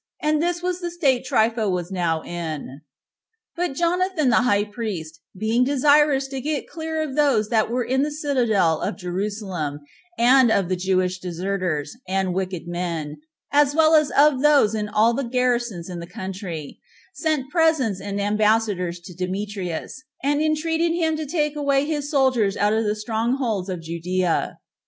And this was the state Trypho was now in. 2. But Jonathan the high priest, being desirous to get clear of those that were in the citadel of Jerusalem, and of the Jewish deserters, and wicked men, as well as of those in all the garrisons in the country, sent presents and ambassadors to Demetrius, and entreated him to take away his soldiers out of the strong holds of Judea.